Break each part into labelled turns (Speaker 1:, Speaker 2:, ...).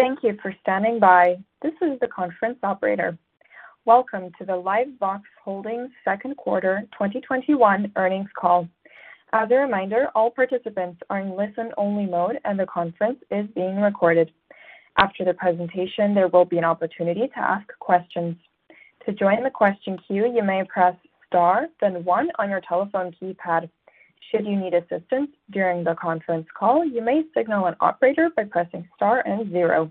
Speaker 1: Thank you for standing by. This is the conference operator. Welcome to the LiveVox Holdings Second Quarter 2021 Earnings Call. As a reminder, all participants are in listen-only mode, and the conference is being recorded. After the presentation, there will be an opportunity to ask questions. To join the question queue, you may press star then one on your telephone keypad. Should you need assistance during the conference call, you may signal an operator by pressing star and zero.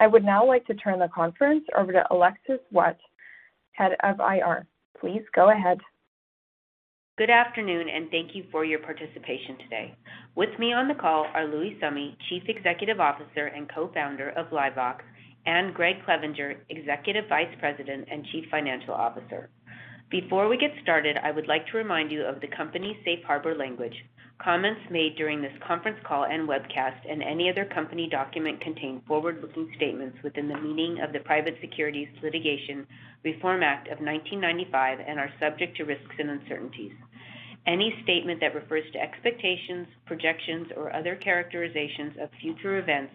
Speaker 1: I would now like to turn the conference over to Alexis Waadt, Head of IR. Please go ahead.
Speaker 2: Good afternoon, and thank you for your participation today. With me on the call are Louis Summe, Chief Executive Officer and Co-Founder of LiveVox, and Gregg Clevenger, Executive Vice President and Chief Financial Officer. Before we get started, I would like to remind you of the company's Safe Harbor language. Comments made during this conference call and webcast and any other company document contain forward-looking statements within the meaning of the Private Securities Litigation Reform Act of 1995 and are subject to risks and uncertainties. Any statement that refers to expectations, projections, or other characterizations of future events,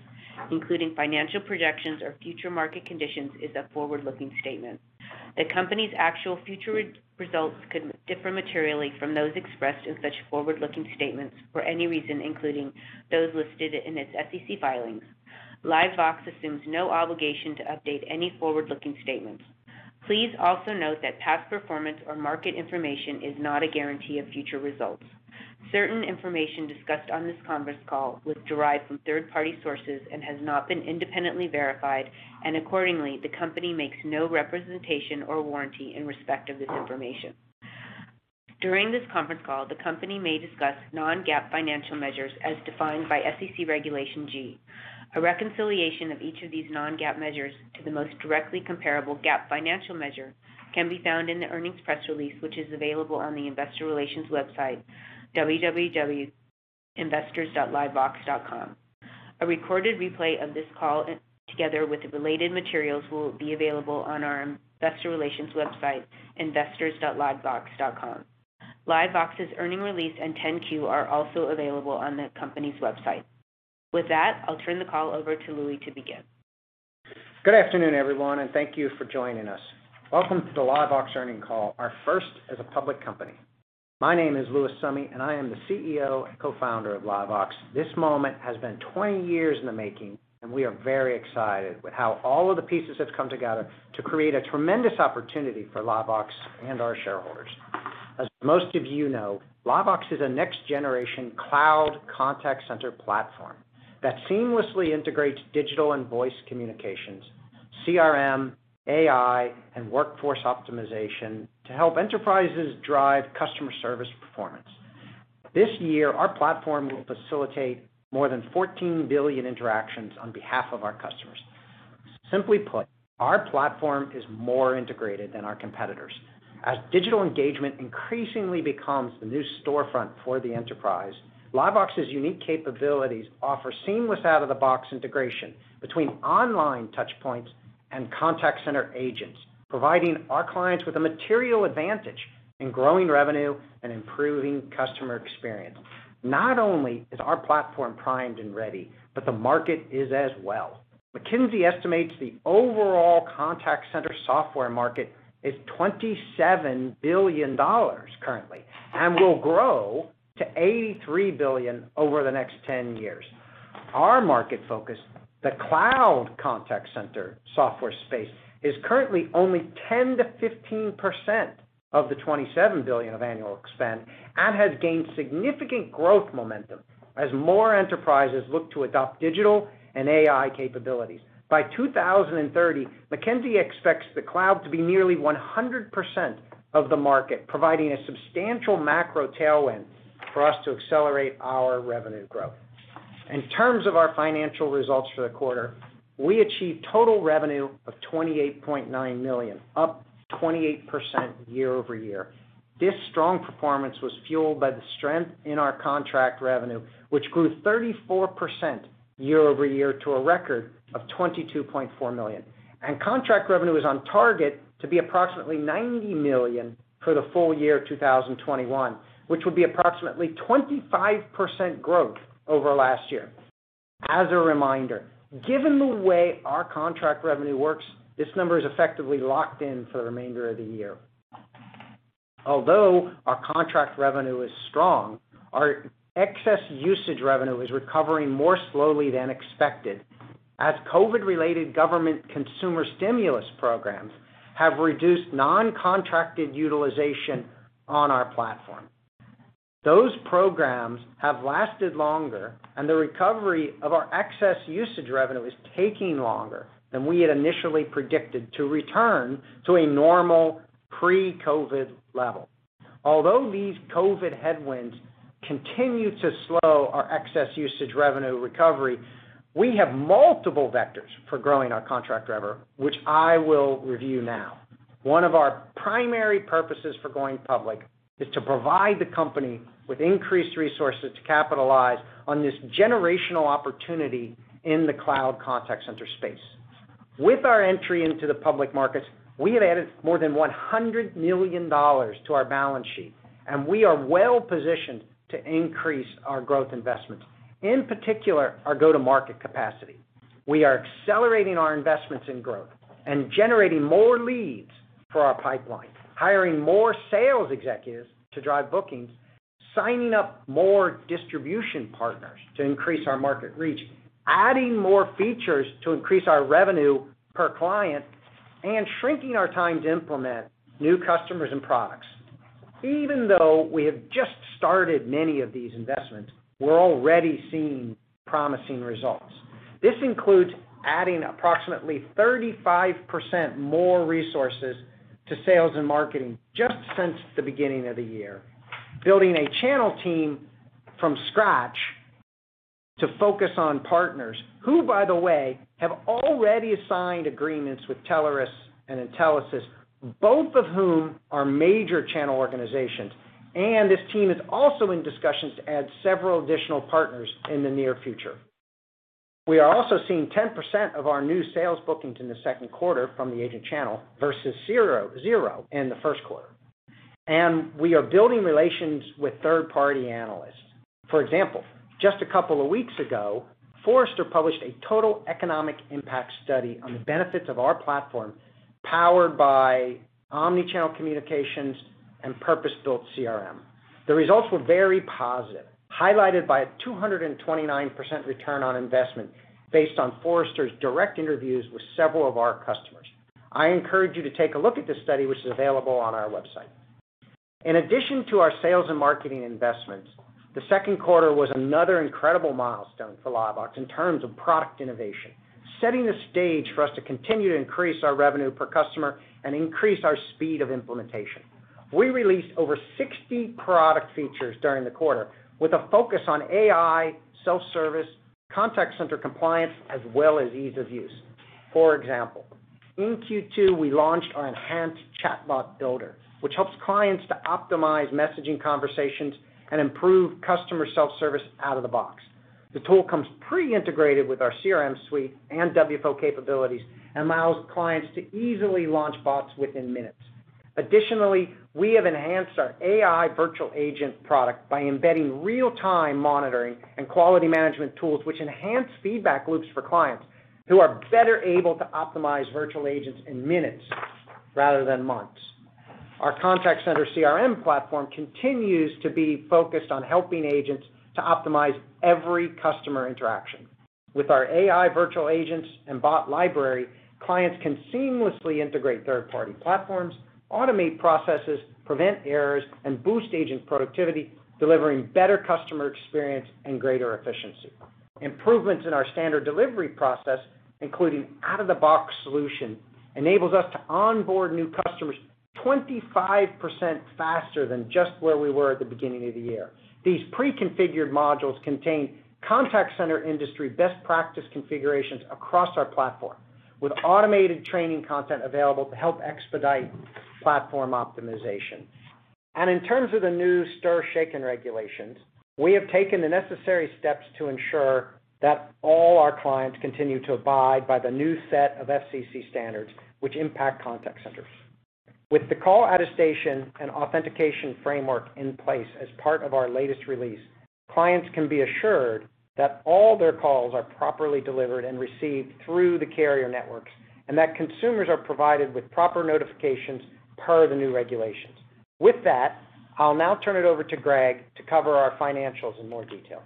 Speaker 2: including financial projections or future market conditions, is a forward-looking statement. The company's actual future results could differ materially from those expressed in such forward-looking statements for any reason, including those listed in its SEC filings. LiveVox assumes no obligation to update any forward-looking statements. Please also note that past performance or market information is not a guarantee of future results. Certain information discussed on this conference call was derived from third-party sources and has not been independently verified, and accordingly, the company makes no representation or warranty in respect of this information. During this conference call, the company may discuss non-GAAP financial measures as defined by SEC Regulation G. A reconciliation of each of these non-GAAP measures to the most directly comparable GAAP financial measure can be found in the earnings press release, which is available on the investor relations website, www.investors.livevox.com. A recorded replay of this call together with the related materials will be available on our investor relations website, investors.livevox.com. LiveVox's earning release and 10-Q are also available on the company's website. With that, I'll turn the call over to Louis to begin.
Speaker 3: Good afternoon, everyone, and thank you for joining us. Welcome to the LiveVox earnings call, our first as a public company. My name is Louis Summe, and I am the CEO and Co-Founder of LiveVox. This moment has been 20 years in the making, and we are very excited with how all of the pieces have come together to create a tremendous opportunity for LiveVox and our shareholders. As most of you know, LiveVox is a next-generation cloud contact center platform that seamlessly integrates digital and voice communications, CRM, AI, and workforce optimization to help enterprises drive customer service performance. This year, our platform will facilitate more than 14 billion interactions on behalf of our customers. Simply put, our platform is more integrated than our competitors. As digital engagement increasingly becomes the new storefront for the enterprise, LiveVox's unique capabilities offer seamless out-of-the-box integration between online touchpoints and contact center agents, providing our clients with a material advantage in growing revenue and improving customer experience. Not only is our platform primed and ready, but the market is as well. McKinsey estimates the overall contact center software market is $27 billion currently and will grow to $83 billion over the next 10 years. Our market focus, the cloud contact center software space, is currently only 10%-15% of the $27 billion of annual spend and has gained significant growth momentum as more enterprises look to adopt digital and AI capabilities. By 2030, McKinsey expects the cloud to be nearly 100% of the market, providing a substantial macro tailwind for us to accelerate our revenue growth. In terms of our financial results for the quarter, we achieved total revenue of $28.9 million, up 28% year-over-year. This strong performance was fueled by the strength in our contract revenue, which grew 34% year-over-year to a record of $22.4 million. Contract revenue is on target to be approximately $90 million for the full year 2021, which would be approximately 25% growth over last year. As a reminder, given the way our contract revenue works, this number is effectively locked in for the remainder of the year. Although our contract revenue is strong, our excess usage revenue is recovering more slowly than expected as COVID-related government consumer stimulus programs have reduced non-contracted utilization on our platform. Those programs have lasted longer, and the recovery of our excess usage revenue is taking longer than we had initially predicted to return to a normal pre-COVID level. Although these COVID headwinds continue to slow our excess usage revenue recovery, we have multiple vectors for growing our contract revenue, which I will review now. One of our primary purposes for going public is to provide the company with increased resources to capitalize on this generational opportunity in the cloud contact center space. With our entry into the public markets, we have added more than $100 million to our balance sheet, and we are well-positioned to increase our growth investments, in particular, our go-to-market capacity. We are accelerating our investments in growth and generating more leads for our pipeline, hiring more sales executives to drive bookings, signing up more distribution partners to increase our market reach, adding more features to increase our revenue per client, and shrinking our time to implement new customers and products. Even though we have just started many of these investments, we're already seeing promising results. This includes adding approximately 35% more resources to sales and marketing just since the beginning of the year, building a channel team from scratch to focus on partners, who by the way, have already signed agreements with Telarus and Intelisys, both of whom are major channel organizations. This team is also in discussions to add several additional partners in the near future. We are also seeing 10% of our new sales bookings in the second quarter from the agent channel versus zero in the first quarter. We are building relations with third-party analysts. For example, just a couple ago, Forrester published a Total Economic Impact study on the benefits of our platform powered by omnichannel communications and purpose-built CRM. The results were very positive, highlighted by a 229% return on investment based on Forrester's direct interviews with several of our customers. I encourage you to take a look at this study, which is available on our website. In addition to our sales and marketing investments, the second quarter was another incredible milestone for LiveVox in terms of product innovation, setting the stage for us to continue to increase our revenue per customer and increase our speed of implementation. We released over 60 product features during the quarter, with a focus on AI, self-service, contact center compliance, as well as ease of use. For example, in Q2, we launched our enhanced chatbot builder, which helps clients to optimize messaging conversations and improve customer self-service out of the box. The tool comes pre-integrated with our CRM suite and WFO capabilities and allows clients to easily launch bots within minutes. Additionally, we have enhanced our AI virtual agent product by embedding real-time monitoring and quality management tools, which enhance feedback loops for clients who are better able to optimize virtual agents in minutes rather than months. Our contact center CRM platform continues to be focused on helping agents to optimize every customer interaction. With our AI virtual agents and bot library, clients can seamlessly integrate third-party platforms, automate processes, prevent errors, and boost agent productivity, delivering better customer experience and greater efficiency. Improvements in our standard delivery process, including out-of-the-box solution, enables us to onboard new customers 25% faster than just where we were at the beginning of the year. These pre-configured modules contain contact center industry best practice configurations across our platform, with automated training content available to help expedite platform optimization. In terms of the new STIR/SHAKEN regulations, we have taken the necessary steps to ensure that all our clients continue to abide by the new set of FCC standards, which impact contact centers. With the call attestation and authentication framework in place as part of our latest release, clients can be assured that all their calls are properly delivered and received through the carrier networks, and that consumers are provided with proper notifications per the new regulations. With that, I'll now turn it over to Gregg to cover our financials in more detail.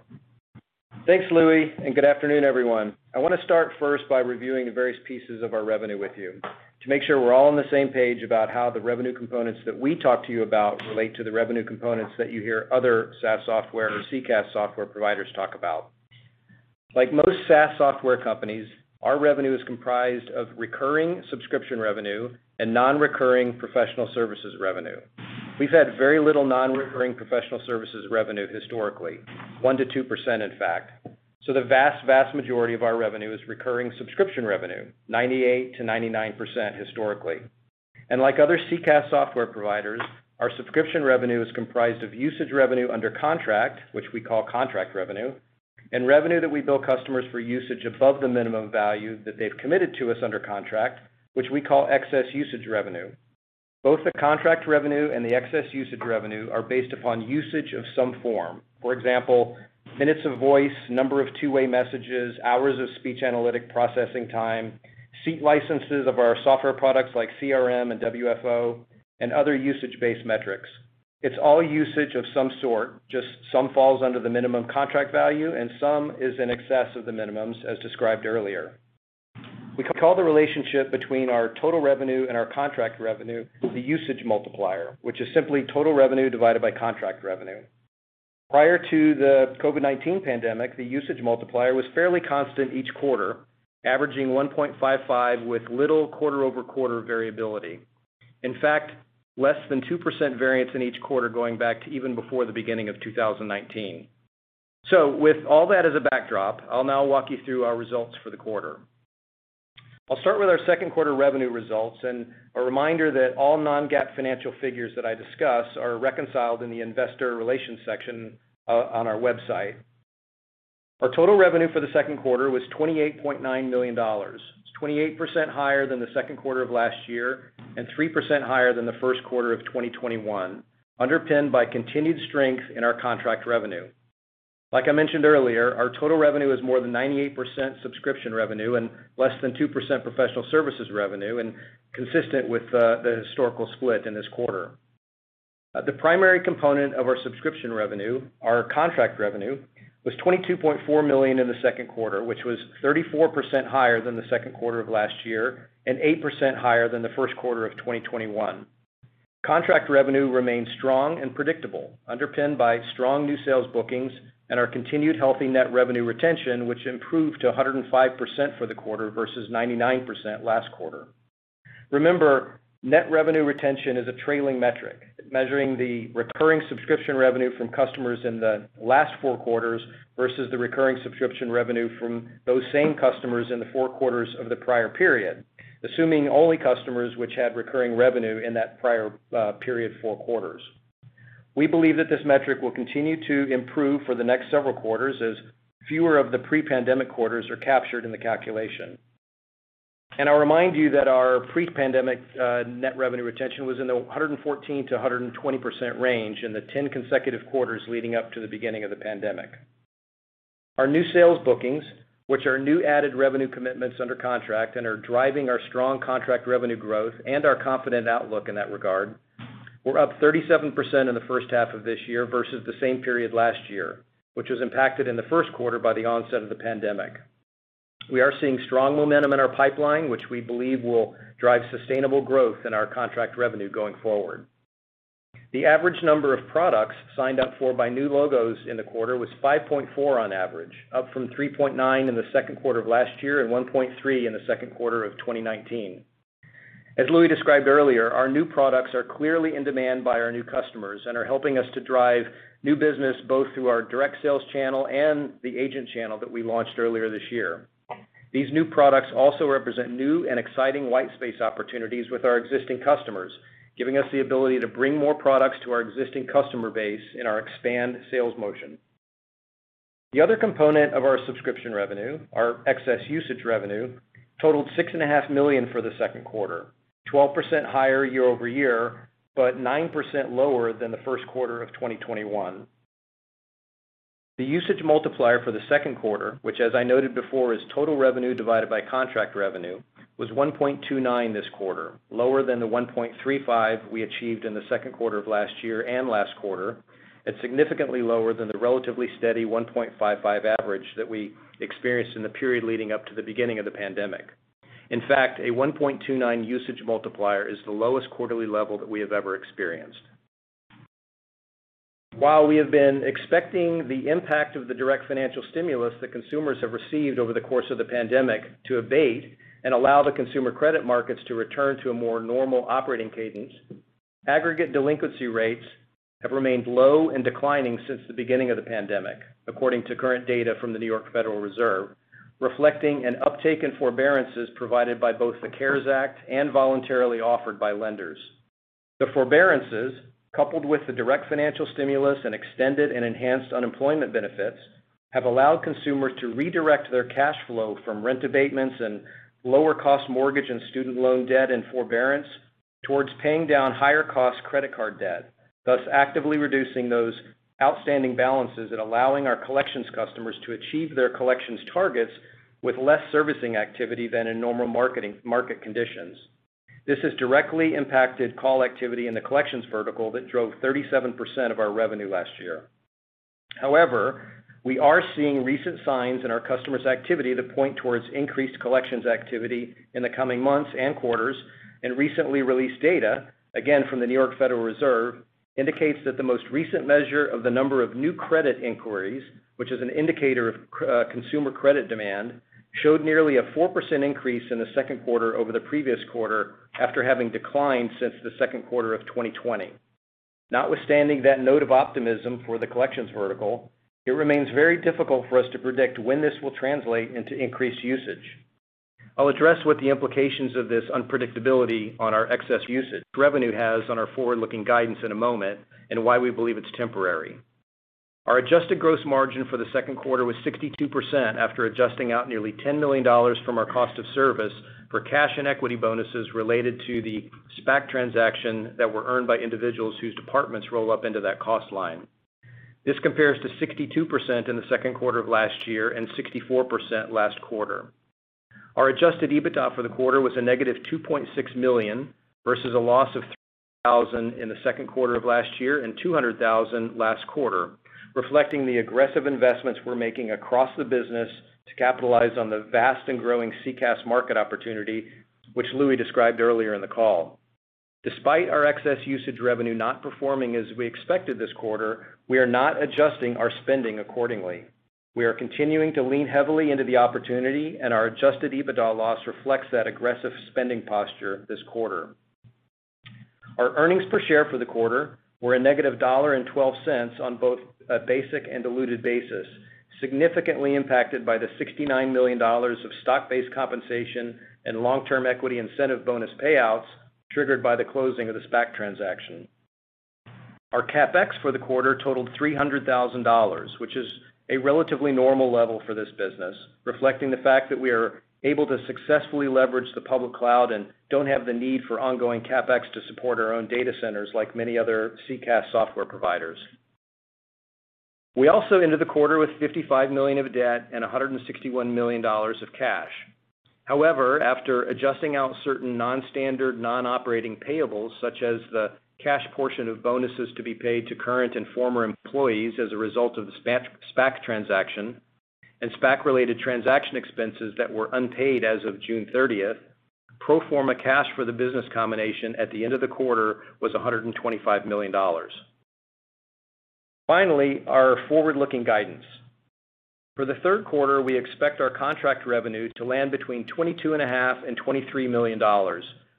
Speaker 4: Thanks, Louis, and good afternoon, everyone. I want to start first by reviewing the various pieces of our revenue with you to make sure we're all on the same page about how the revenue components that we talk to you about relate to the revenue components that you hear other SaaS software or CCaaS software providers talk about. Like most SaaS software companies, our revenue is comprised of recurring subscription revenue and non-recurring professional services revenue. We've had very little non-recurring professional services revenue historically, 1%-2%, in fact. The vast majority of our revenue is recurring subscription revenue, 98%-99% historically. Like other CCaaS software providers, our subscription revenue is comprised of usage revenue under contract, which we call contract revenue, and revenue that we bill customers for usage above the minimum value that they've committed to us under contract, which we call excess usage revenue. Both the contract revenue and the excess usage revenue are based upon usage of some form. For example, minutes of voice, number of two-way messages, hours of speech analytic processing time, seat licenses of our software products like CRM and WFO, and other usage-based metrics. It's all usage of some sort, just some falls under the minimum contract value and some is in excess of the minimums, as described earlier. We call the relationship between our total revenue and our contract revenue the usage multiplier, which is simply total revenue divided by contract revenue. Prior to the COVID-19 pandemic, the usage multiplier was fairly constant each quarter, averaging 1.55x with little quarter-over-quarter variability. Less than 2% variance in each quarter going back to even before the beginning of 2019. With all that as a backdrop, I'll now walk you through our results for the quarter. I'll start with our second quarter revenue results and a reminder that all non-GAAP financial figures that I discuss are reconciled in the investor relations section on our website. Our total revenue for the second quarter was $28.9 million. It's 28% higher than the second quarter of last year and 3% higher than the first quarter of 2021, underpinned by continued strength in our contract revenue. Like I mentioned earlier, our total revenue is more than 98% subscription revenue and less than 2% professional services revenue, and consistent with the historical split in this quarter. The primary component of our subscription revenue, our contract revenue, was $22.4 million in the second quarter, which was 34% higher than the second quarter of last year and 8% higher than the first quarter of 2021. Contract revenue remains strong and predictable, underpinned by strong new sales bookings and our continued healthy net revenue retention, which improved to 105% for the quarter versus 99% last quarter. Remember, net revenue retention is a trailing metric measuring the recurring subscription revenue from customers in the last four quarters versus the recurring subscription revenue from those same customers in the four quarters of the prior period, assuming only customers which had recurring revenue in that prior period four quarters. We believe that this metric will continue to improve for the next several quarters as fewer of the pre-pandemic quarters are captured in the calculation. I'll remind you that our pre-pandemic net revenue retention was in the 114%-120% range in the 10 consecutive quarters leading up to the beginning of the pandemic. Our new sales bookings, which are new added revenue commitments under contract and are driving our strong contract revenue growth and our confident outlook in that regard, were up 37% in the first half of this year versus the same period last year, which was impacted in the first quarter by the onset of the pandemic. We are seeing strong momentum in our pipeline, which we believe will drive sustainable growth in our contract revenue going forward. The average number of products signed up for by new logos in the quarter was 5.4 on average, up from 3.9 in the second quarter of 2020 and 1.3 in the second quarter of 2019. As Louis described earlier, our new products are clearly in demand by our new customers and are helping us to drive new business both through our direct sales channel and the agent channel that we launched earlier this year. These new products also represent new and exciting white space opportunities with our existing customers, giving us the ability to bring more products to our existing customer base in our expand sales motion. The other component of our subscription revenue, our excess usage revenue, totaled six and a half million for the second quarter, 12% higher year-over-year, but 9% lower than the first quarter of 2021. The usage multiplier for the second quarter, which as I noted before is total revenue divided by contract revenue, was 1.29x this quarter, lower than the 1.35x we achieved in the second quarter of last year and last quarter, and significantly lower than the relatively steady 1.55x average that we experienced in the period leading up to the beginning of the pandemic. In fact, a 1.29x usage multiplier is the lowest quarterly level that we have ever experienced. While we have been expecting the impact of the direct financial stimulus that consumers have received over the course of the pandemic to abate and allow the consumer credit markets to return to a more normal operating cadence, aggregate delinquency rates have remained low and declining since the beginning of the pandemic, according to current data from the Federal Reserve Bank of New York, reflecting an uptake in forbearances provided by both the CARES Act and voluntarily offered by lenders. The forbearances, coupled with the direct financial stimulus and extended and enhanced unemployment benefits, have allowed consumers to redirect their cash flow from rent abatements and lower-cost mortgage and student loan debt and forbearance towards paying down higher-cost credit card debt, thus actively reducing those outstanding balances and allowing our collections customers to achieve their collections targets with less servicing activity than in normal market conditions. This has directly impacted call activity in the collections vertical that drove 37% of our revenue last year. However, we are seeing recent signs in our customers' activity that point towards increased collections activity in the coming months and quarters, and recently released data, again from the New York Federal Reserve, indicates that the most recent measure of the number of new credit inquiries, which is an indicator of consumer credit demand, showed nearly a 4% increase in the second quarter over the previous quarter after having declined since the second quarter of 2020. Notwithstanding that note of optimism for the collections vertical, it remains very difficult for us to predict when this will translate into increased usage. I'll address what the implications of this unpredictability on our excess usage revenue has on our forward-looking guidance in a moment and why we believe it's temporary. Our adjusted gross margin for the second quarter was 62% after adjusting out nearly $10 million from our cost of service for cash and equity bonuses related to the SPAC transaction that were earned by individuals whose departments roll up into that cost line. This compares to 62% in the second quarter of last year and 64% last quarter. Our adjusted EBITDA for the quarter was $-2.6 million versus a loss of $300,000 in the second quarter of last year and $200,000 last quarter, reflecting the aggressive investments we're making across the business to capitalize on the vast and growing CCaaS market opportunity, which Louis described earlier in the call. Despite our excess usage revenue not performing as we expected this quarter, we are not adjusting our spending accordingly. We are continuing to lean heavily into the opportunity. Our adjusted EBITDA loss reflects that aggressive spending posture this quarter. Our earnings per share for the quarter were a negative $1.12 on both a basic and diluted basis, significantly impacted by the $69 million of stock-based compensation and long-term equity incentive bonus payouts triggered by the closing of the SPAC transaction. Our CapEx for the quarter totaled $300,000, which is a relatively normal level for this business, reflecting the fact that we are able to successfully leverage the public cloud and don't have the need for ongoing CapEx to support our own data centers like many other CCaaS software providers. We also ended the quarter with $55 million of debt and $161 million of cash. However, after adjusting out certain non-standard non-operating payables such as the cash portion of bonuses to be paid to current and former employees as a result of the SPAC transaction and SPAC-related transaction expenses that were unpaid as of June 30th, pro forma cash for the business combination at the end of the quarter was $125 million. Finally, our forward-looking guidance. For the third quarter, we expect our contract revenue to land between $22.5 million and $23 million,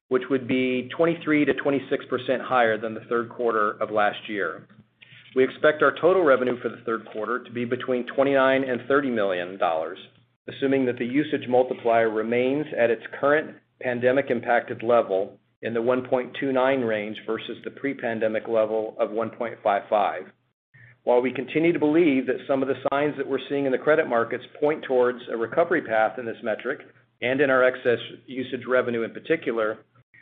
Speaker 4: which would be 23%-26% higher than the third quarter of last year. We expect our total revenue for the third quarter to be between $29 million and $30 million, assuming that the usage multiplier remains at its current pandemic-impacted level in the 1.29x range versus the pre-pandemic level of 1.55x. While we continue to believe that some of the signs that we're seeing in the credit markets point towards a recovery path in this metric, and in our excess usage revenue in particular,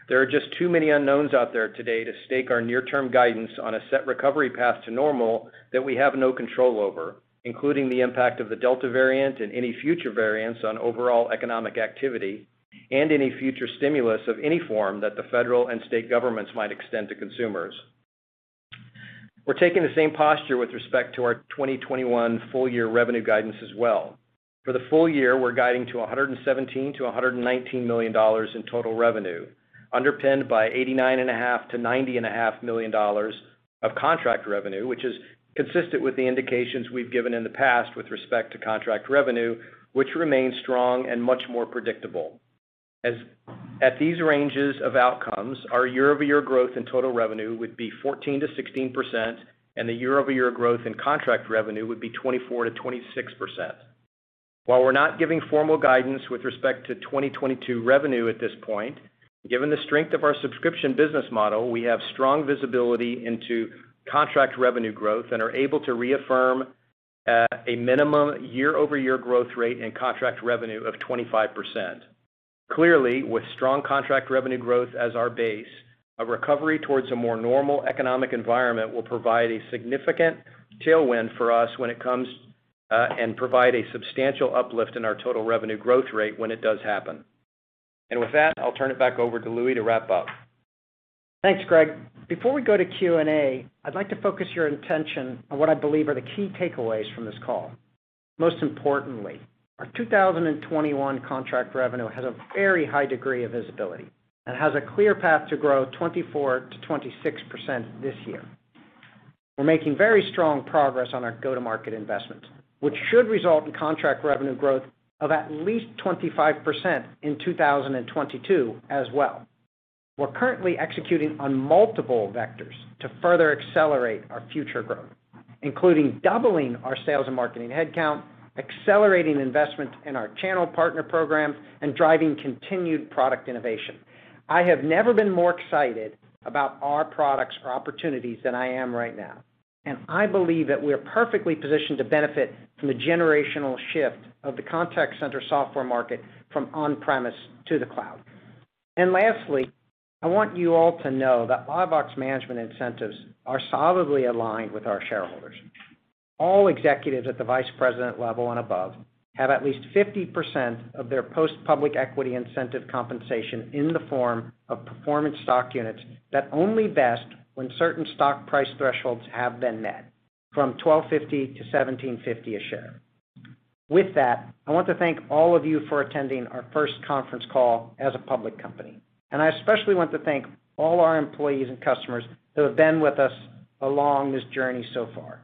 Speaker 4: there are just too many unknowns out there today to stake our near-term guidance on a set recovery path to normal that we have no control over, including the impact of the Delta variant and any future variants on overall economic activity and any future stimulus of any form that the federal and state governments might extend to consumers. We're taking the same posture with respect to our 2021 full-year revenue guidance as well. For the full year, we're guiding to $117 million-$119 million in total revenue, underpinned by $89.5 million-$90.5 million of contract revenue, which is consistent with the indications we've given in the past with respect to contract revenue, which remains strong and much more predictable. At these ranges of outcomes, our year-over-year growth in total revenue would be 14%-16%, and the year-over-year growth in contract revenue would be 24%-26%. While we're not giving formal guidance with respect to 2022 revenue at this point, given the strength of our subscription business model, we have strong visibility into contract revenue growth and are able to reaffirm at a minimum year-over-year growth rate in contract revenue of 25%. Clearly, with strong contract revenue growth as our base, a recovery towards a more normal economic environment will provide a significant tailwind for us when it comes and provide a substantial uplift in our total revenue growth rate when it does happen. With that, I'll turn it back over to Louis to wrap up.
Speaker 3: Thanks, Gregg. Before we go to Q&A, I'd like to focus your attention on what I believe are the key takeaways from this call. Most importantly, our 2021 contract revenue has a very high degree of visibility and has a clear path to grow 24%-26% this year. We're making very strong progress on our go-to-market investments, which should result in contract revenue growth of at least 25% in 2022 as well. We're currently executing on multiple vectors to further accelerate our future growth, including doubling our sales and marketing headcount, accelerating investments in our channel partner program, and driving continued product innovation. I have never been more excited about our products or opportunities than I am right now, and I believe that we are perfectly positioned to benefit from the generational shift of the contact center software market from on-premise to the cloud. Lastly, I want you all to know that LiveVox management incentives are solidly aligned with our shareholders. All executives at the vice president level and above have at least 50% of their post-public equity incentive compensation in the form of performance stock units that only vest when certain stock price thresholds have been met, from $12.50-$17.50 a share. With that, I want to thank all of you for attending our first conference call as a public company, and I especially want to thank all our employees and customers who have been with us along this journey so far.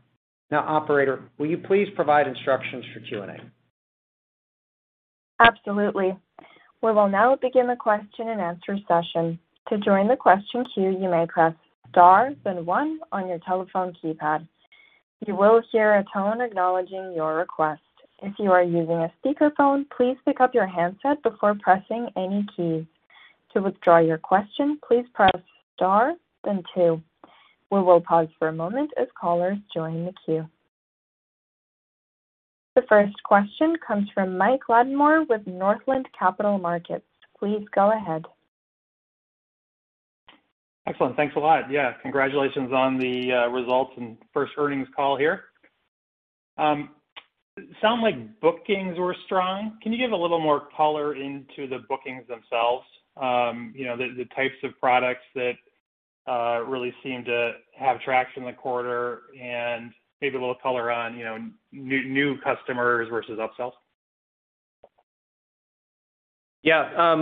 Speaker 3: Operator, will you please provide instructions for Q&A?
Speaker 1: Absolutely. We will now begin the question and answer session. To join the question queue, you may press star then one on your telephone keypad. You will hear a tone acknowledging your request. If you are using a speakerphone, please pick up your handset before pressing any keys. To withdraw your question, please press star then two. We will pause for a moment as callers join the queue. The first question comes from Mike Latimore with Northland Capital Markets. Please go ahead.
Speaker 5: Excellent. Thanks a lot. Yeah, congratulations on the results and first earnings call here. It sounds like bookings were strong. Can you give a little more color into the bookings themselves? The types of products that really seem to have traction in the quarter, and maybe a little color on new customers versus upsells.
Speaker 4: Yeah.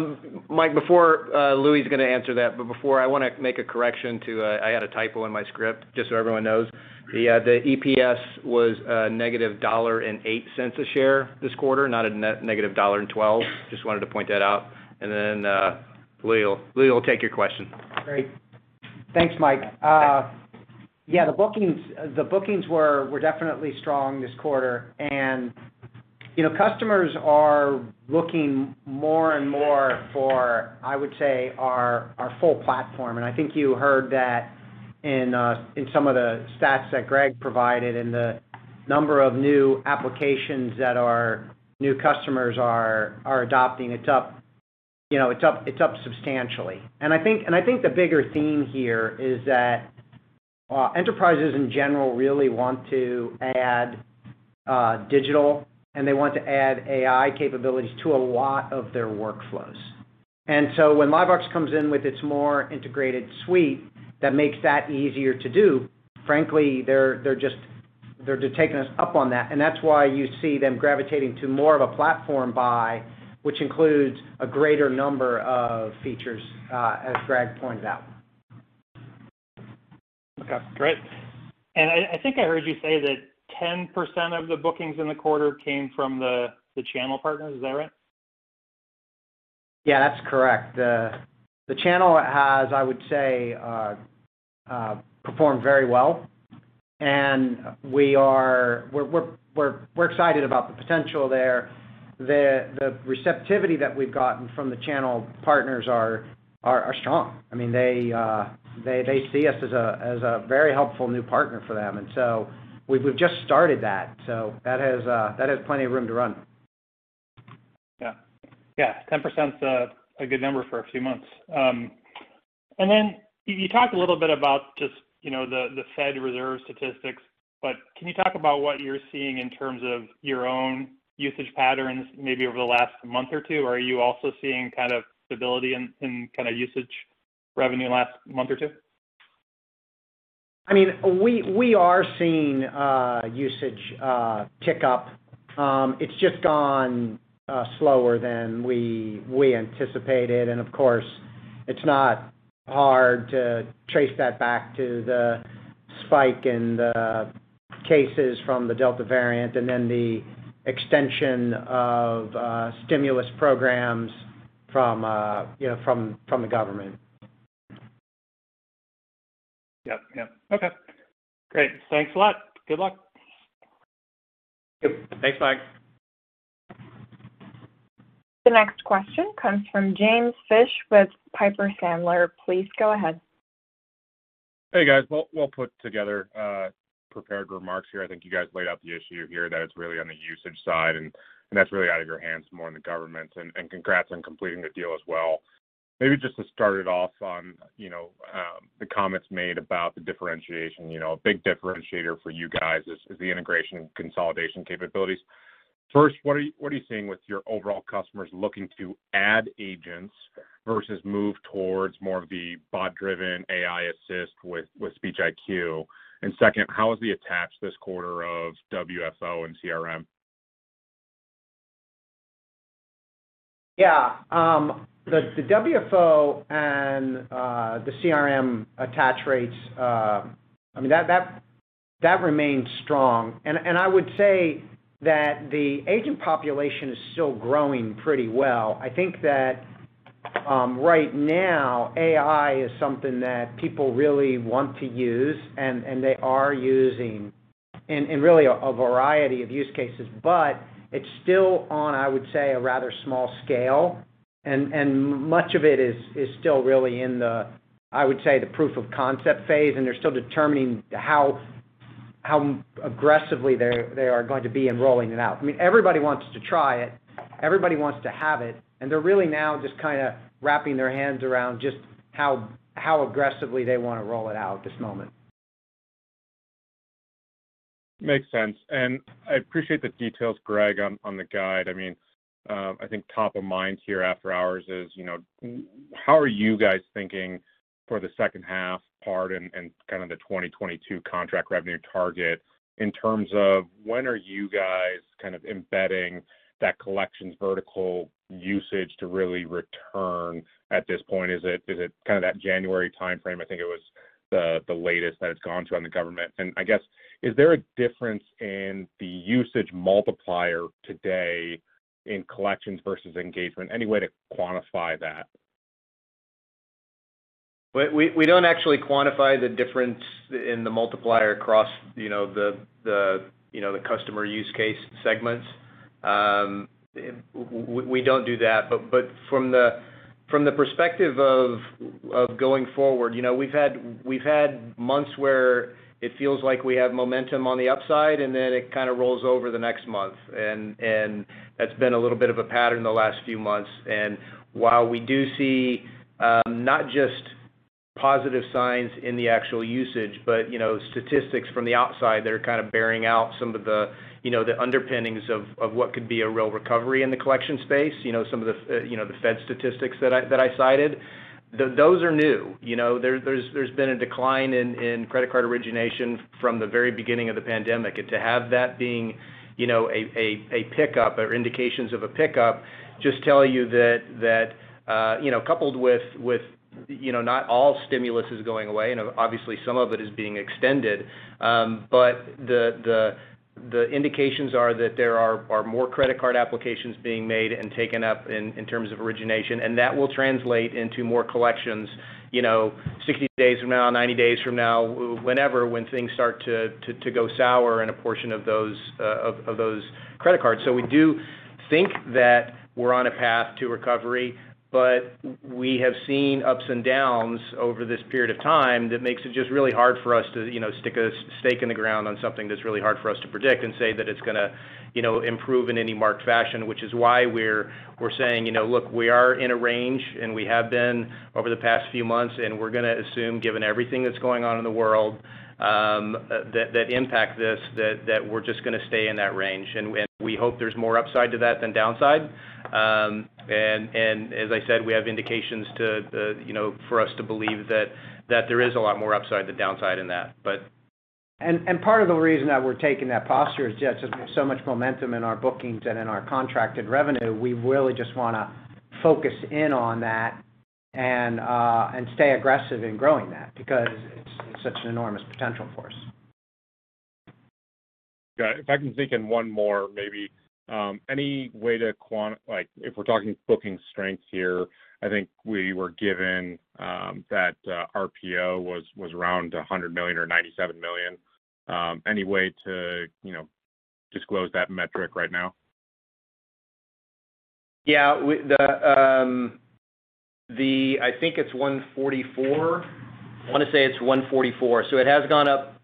Speaker 4: Mike Latimore, Louis Summe is going to answer that, but before, I want to make a correction. I had a typo in my script, just so everyone knows. The EPS was $-1.08 a share this quarter, not $-1.12. Just wanted to point that out. Louis Summe will take your question.
Speaker 3: Great. Thanks, Mike. Yeah, the bookings were definitely strong this quarter. Customers are looking more and more for, I would say, our full platform. I think you heard that in some of the stats that Gregg provided in the number of new applications that our new customers are adopting. It's up substantially. I think the bigger theme here is that enterprises in general really want to add digital, and they want to add AI capabilities to a lot of their workflows. When LiveVox comes in with its more integrated suite that makes that easier to do, frankly, they're just taking us up on that, and that's why you see them gravitating to more of a platform buy, which includes a greater number of features, as Gregg pointed out.
Speaker 5: Okay, great. I think I heard you say that 10% of the bookings in the quarter came from the channel partners. Is that right?
Speaker 3: Yeah, that's correct. The channel has, I would say, performed very well, and we're excited about the potential there. The receptivity that we've gotten from the channel partners are strong. They see us as a very helpful new partner for them. We've just started that, so that has plenty of room to run.
Speaker 5: Yeah. 10%'s a good number for a few months. You talked a little bit about just the Fed Reserve statistics, can you talk about what you're seeing in terms of your own usage patterns, maybe over the last month or two? Are you also seeing stability in usage revenue in the last month or two?
Speaker 3: We are seeing usage tick up. It's just gone slower than we anticipated. Of course, it's not hard to trace that back to the spike in the cases from the Delta variant, and then the extension of stimulus programs from the government.
Speaker 5: Yep. Okay, great. Thanks a lot. Good luck.
Speaker 3: Yep. Thanks, Mike.
Speaker 1: The next question comes from James Fish with Piper Sandler. Please go ahead.
Speaker 6: Hey, guys. We'll put together prepared remarks here. I think you guys laid out the issue here, that it's really on the usage side, and that's really out of your hands more in the government. Congrats on completing the deal as well. Maybe just to start it off on the comments made about the differentiation. A big differentiator for you guys is the integration consolidation capabilities. First, what are you seeing with your overall customers looking to add agents versus move towards more of the bot-driven AI assist with SpeechIQ? Second, how is the attach this quarter of WFO and CRM?
Speaker 4: Yeah. The WFO and the CRM attach rates, that remains strong. I would say that the agent population is still growing pretty well. I think that right now, AI is something that people really want to use, and they are using in really a variety of use cases, but it's still on, I would say, a rather small scale, and much of it is still really in the, I would say, the proof of concept phase, and they're still determining how aggressively they are going to be in rolling it out. Everybody wants to try it. Everybody wants to have it. They're really now just wrapping their hands around just how aggressively they want to roll it out at this moment.
Speaker 6: Makes sense. I appreciate the details, Gregg, on the guide. I think top of mind here after hours is how are you guys thinking for the second half part and the 2022 contract revenue target in terms of when are you guys embedding that collections vertical usage to really return at this point? Is it that January timeframe, I think it was the latest that it's gone to on the government? I guess, is there a difference in the usage multiplier today in collections versus engagement? Any way to quantify that?
Speaker 4: We don't actually quantify the difference in the multiplier across the customer use case segments. We don't do that. From the perspective of going forward, we've had months where it feels like we have momentum on the upside, and then it rolls over the next month. That's been a little bit of a pattern the last few months. While we do see not just positive signs in the actual usage, but statistics from the outside that are bearing out some of the underpinnings of what could be a real recovery in the collection space, some of the Fed statistics that I cited, those are new. There's been a decline in credit card origination from the very beginning of the pandemic. To have that being a pickup or indications of a pickup, just tell you that, coupled with not all stimulus is going away, and obviously some of it is being extended. The The indications are that there are more credit card applications being made and taken up in terms of origination, and that will translate into more collections 60 days from now, 90 days from now, whenever, when things start to go sour in a portion of those credit cards. We do think that we're on a path to recovery, but we have seen ups and downs over this period of time that makes it just really hard for us to stick a stake in the ground on something that's really hard for us to predict, and say that it's going to improve in any marked fashion. We're saying, look, we are in a range, and we have been over the past few months, and we're going to assume, given everything that's going on in the world that impact this, that we're just going to stay in that range. We hope there's more upside to that than downside. As I said, we have indications for us to believe that there is a lot more upside than downside in that.
Speaker 3: Part of the reason that we're taking that posture is just because we have so much momentum in our bookings and in our contracted revenue, we really just want to focus in on that and stay aggressive in growing that, because it's such an enormous potential for us.
Speaker 6: Got it. If I can dig in one more, maybe. If we're talking booking strength here, I think we were given that RPO was around $100 million or $97 million. Any way to disclose that metric right now?
Speaker 4: Yeah. I think it's 144. I want to say it's 144. It has gone up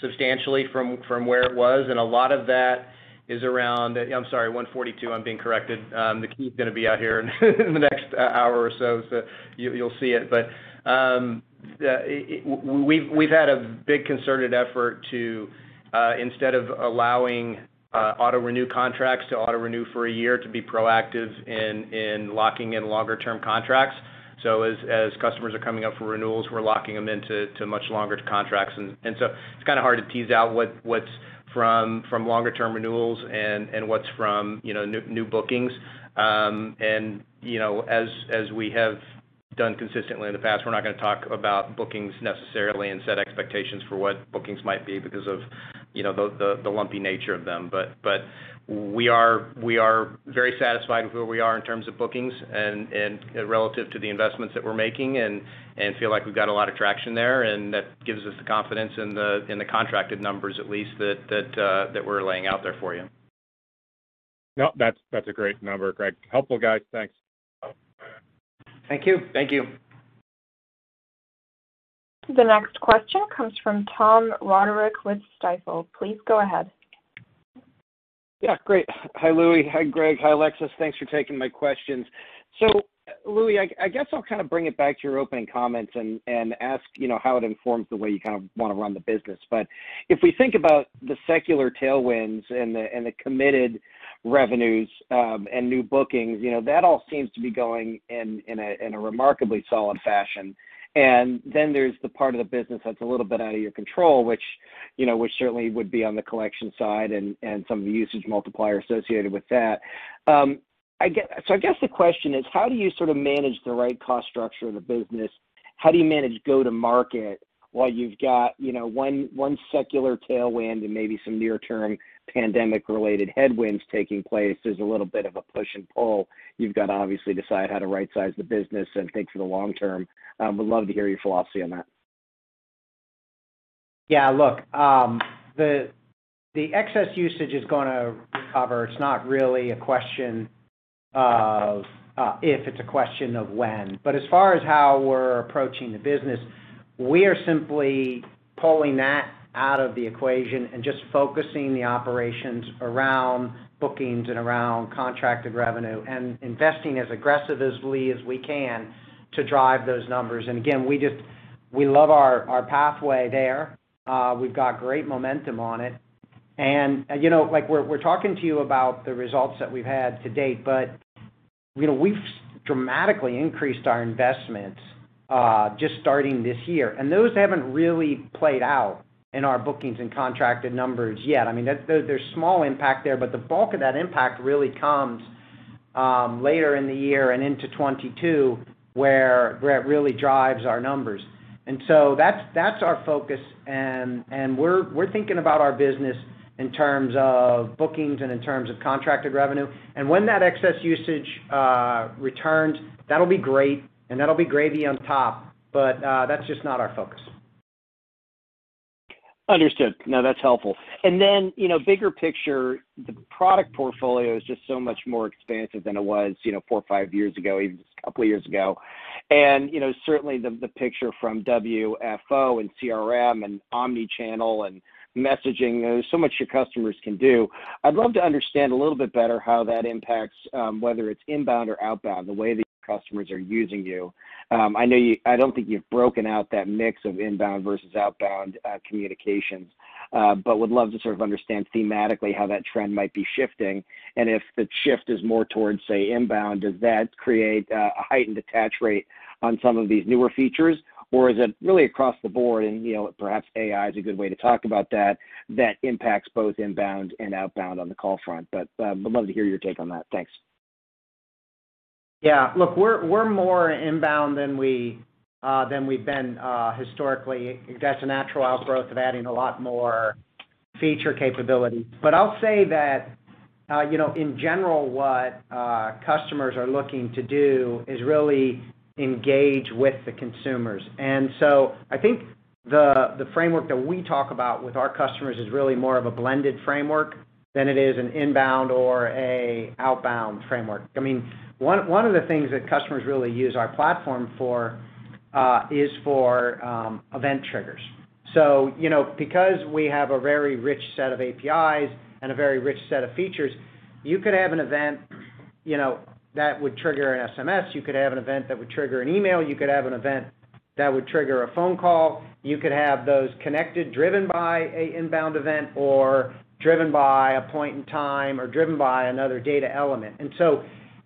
Speaker 4: substantially from where it was, and a lot of that is around I'm sorry, 142. I'm being corrected. McKean's going to be out here in the next hour or so you'll see it. We've had a big concerted effort to instead of allowing auto-renew contracts to auto-renew for a year, to be proactive in locking in longer-term contracts. As customers are coming up for renewals, we're locking them into much longer contracts. It's kind of hard to tease out what's from longer-term renewals and what's from new bookings. As we have done consistently in the past, we're not going to talk about bookings necessarily and set expectations for what bookings might be because of the lumpy nature of them. We are very satisfied with where we are in terms of bookings and relative to the investments that we're making, and feel like we've got a lot of traction there, and that gives us the confidence in the contracted numbers at least that we're laying out there for you.
Speaker 6: No, that's a great number, Gregg. Helpful, guys. Thanks.
Speaker 3: Thank you.
Speaker 4: Thank you.
Speaker 1: The next question comes from Tom Roderick with Stifel. Please go ahead.
Speaker 7: Great. Hi, Louis. Hi, Gregg. Hi, Alexis. Thanks for taking my questions. Louis, I guess I'll kind of bring it back to your opening comments and ask how it informs the way you want to run the business. If we think about the secular tailwinds and the committed revenues and new bookings, that all seems to be going in a remarkably solid fashion. Then there's the part of the business that's a little bit out of your control, which certainly would be on the collection side and some of the usage multiplier associated with that. I guess the question is how do you sort of manage the right cost structure of the business? How do you manage go to market while you've got one secular tailwind and maybe some near-term pandemic-related headwinds taking place? There's a little bit of a push and pull. You've got to obviously decide how to right-size the business and think for the long term. Would love to hear your philosophy on that.
Speaker 3: Yeah, look. The excess usage is going to recover. It's not really a question of if, it's a question of when. As far as how we're approaching the business, we are simply pulling that out of the equation and just focusing the operations around bookings and around contracted revenue, and investing as aggressively as we can to drive those numbers. Again, we love our pathway there. We've got great momentum on it. We're talking to you about the results that we've had to date, but we've dramatically increased our investments just starting this year, and those haven't really played out in our bookings and contracted numbers yet. There's small impact there, but the bulk of that impact really comes later in the year and into 2022, where it really drives our numbers. That's our focus, and we're thinking about our business in terms of bookings and in terms of contracted revenue. When that excess usage returns, that'll be great and that'll be gravy on top, but that's just not our focus.
Speaker 7: Understood. No, that's helpful. Bigger picture, the product portfolio is just so much more expansive than it was four or five years ago, even just a couple of years ago. Certainly the picture from WFO and CRM and omni-channel and messaging, there's so much your customers can do. I'd love to understand a little bit better how that impacts, whether it's inbound or outbound, the way that your customers are using you. I don't think you've broken out that mix of inbound versus outbound communications. Would love to sort of understand thematically how that trend might be shifting, and if the shift is more towards, say, inbound, does that create a heightened attach rate on some of these newer features? Is it really across the board, and perhaps AI is a good way to talk about that impacts both inbound and outbound on the call front. Would love to hear your take on that. Thanks.
Speaker 3: Look, we're more inbound than we've been historically. That's a natural outgrowth of adding a lot more feature capability. I'll say that, in general, what customers are looking to do is really engage with the consumers. I think the framework that we talk about with our customers is really more of a blended framework than it is an inbound or an outbound framework. One of the things that customers really use our platform for is for event triggers. Because we have a very rich set of APIs and a very rich set of features, you could have an event that would trigger an SMS, you could have an event that would trigger an email, you could have an event that would trigger a phone call. You could have those connected, driven by an inbound event, or driven by a point in time, or driven by another data element.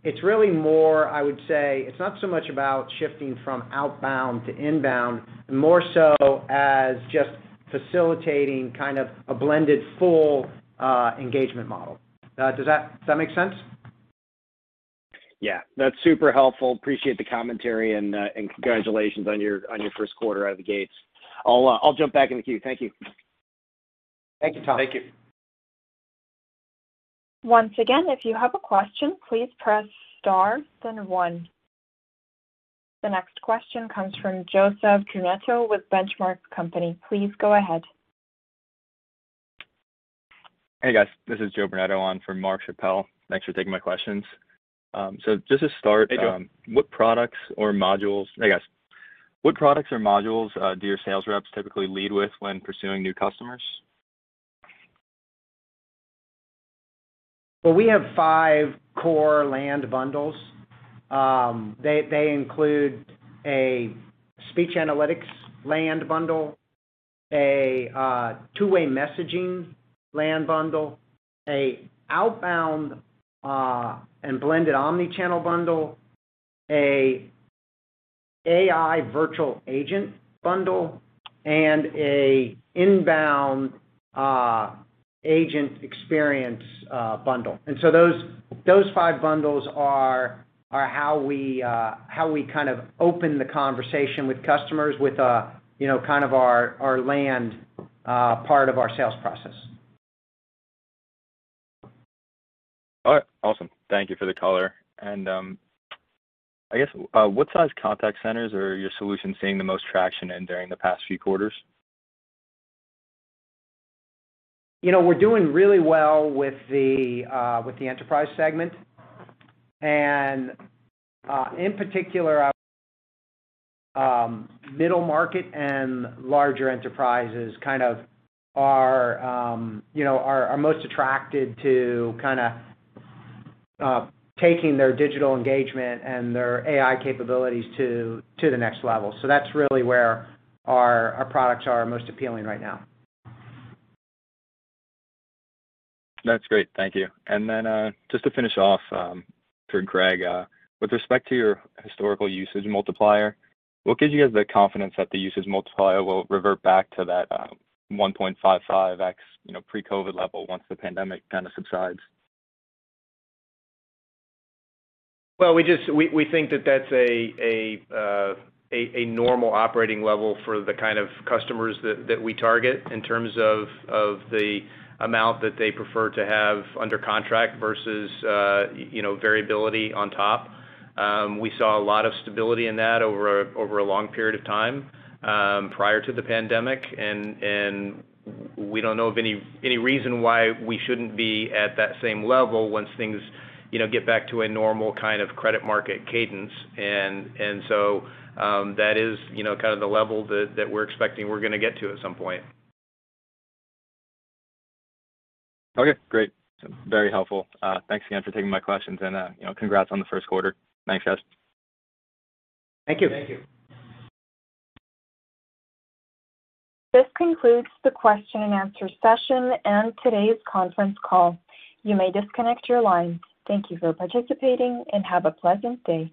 Speaker 3: It's really more, I would say, it's not so much about shifting from outbound to inbound, more so as just facilitating kind of a blended full engagement model. Does that make sense?
Speaker 7: Yeah. That's super helpful. Appreciate the commentary, and congratulations on your first quarter out of the gates. I'll jump back in the queue. Thank you.
Speaker 3: Thank you, Tom.
Speaker 4: Thank you.
Speaker 1: Once again, if you have a question, please press star then one. The next question comes from Joseph Brunetto with Benchmark Company. Please go ahead.
Speaker 8: Hey, guys. This is Joe Brunetto on for Mark Schappel. Thanks for taking my questions. Just to start.
Speaker 3: Hey, Joe.
Speaker 8: Hey, guys. What products or modules do your sales reps typically lead with when pursuing new customers?
Speaker 3: Well, we have five core land bundles. They include a speech analytics land bundle, a two-way messaging land bundle, a outbound and blended omni-channel bundle, a AI virtual agent bundle, and a inbound agent experience bundle. Those five bundles are how we kind of open the conversation with customers with our land part of our sales process.
Speaker 8: All right, awesome. Thank you for the color. I guess, what size contact centers are your solutions seeing the most traction in during the past few quarters?
Speaker 3: We're doing really well with the enterprise segment. In particular, middle market and larger enterprises kind of are most attracted to taking their digital engagement and their AI capabilities to the next level. That's really where our products are most appealing right now.
Speaker 8: That's great. Thank you. Just to finish off for Gregg. With respect to your historical usage multiplier, what gives you guys the confidence that the usage multiplier will revert back to that 1.55x pre-COVID level once the pandemic subsides?
Speaker 4: Well, we think that that's a normal operating level for the kind of customers that we target in terms of the amount that they prefer to have under contract versus variability on top. We saw a lot of stability in that over a long period of time prior to the pandemic. We don't know of any reason why we shouldn't be at that same level once things get back to a normal kind of credit market cadence. That is the level that we're expecting we're going to get to at some point.
Speaker 8: Okay, great. Very helpful. Thanks again for taking my questions and congrats on the first quarter. Thanks, guys.
Speaker 3: Thank you.
Speaker 4: Thank you.
Speaker 1: This concludes the question and answer session and today's conference call. You may disconnect your lines. Thank you for participating and have a pleasant day.